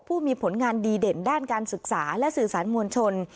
ผู้มีผลงานดีเด่นด้านการศึกษาและสื่อสารมวลชน